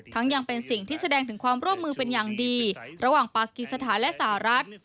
ยังเป็นสิ่งที่แสดงถึงความร่วมมือเป็นอย่างดีระหว่างปากีสถานและสหรัฐ